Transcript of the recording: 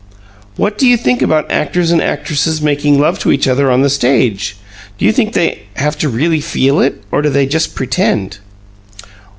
"What do you think about actors and actresses making love to each other on the stage? Do you think they have to really feel it, or do they just pretend?"